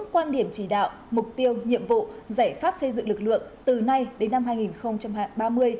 quan điểm chỉ đạo mục tiêu nhiệm vụ giải pháp xây dựng lực lượng từ nay đến năm hai nghìn ba mươi